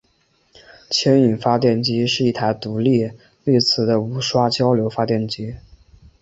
牵引发电机是一台独立励磁的无刷交流发电机。